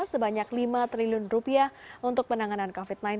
sebanyak lima triliun rupiah untuk penanganan covid sembilan belas